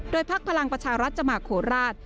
พักพลังประชารัฐจะมาโคราช